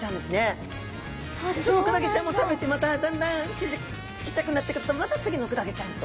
そのクラゲちゃんも食べてまただんだん小さくなってくるとまた次のクラゲちゃんと。